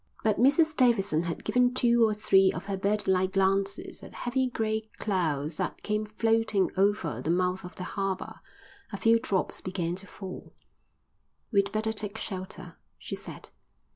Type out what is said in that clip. But Mrs Davidson had given two or three of her birdlike glances at heavy grey clouds that came floating over the mouth of the harbour. A few drops began to fall. "We'd better take shelter," she said.